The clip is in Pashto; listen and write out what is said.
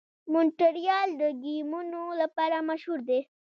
مونټریال د ګیمونو لپاره مشهور دی.